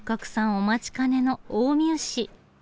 お待ちかねの近江牛。